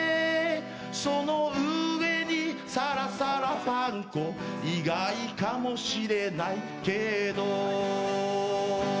その上にサラサラパン粉意外かもしれないけど